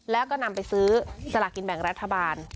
แล้วก็นำไปซื้อสลากกินแบ่งรัฐบาล